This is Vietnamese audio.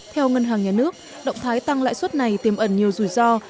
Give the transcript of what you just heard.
theo ngân hàng nhà nước động thái tăng lãi suất này tiêm ẩn nhiều rủi ro